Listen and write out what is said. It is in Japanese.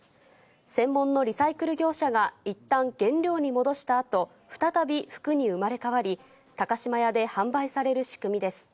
専門のリサイクル業者がいったん原料に戻したあと、再び服に生まれ変わり、高島屋で販売される仕組みです。